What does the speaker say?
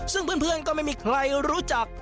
ซึ่งเพื่อนก็ไม่มีใครรู้จัก